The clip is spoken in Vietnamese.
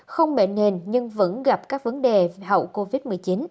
không bệnh nền nhưng vẫn gặp các vấn đề hậu covid một mươi chín